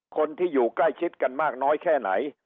คนที่อยู่ใกล้ชิดกันมากน้อยแค่ไหน